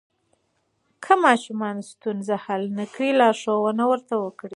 که ماشوم ستونزه حل نه کړي، لارښوونه ورته وکړئ.